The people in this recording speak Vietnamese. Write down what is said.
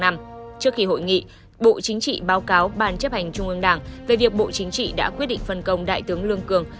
trước khi hội nghị bộ chính trị báo cáo ban chấp hành trung ương đảng về việc bộ chính trị đã quyết định phân công đại tướng lương cường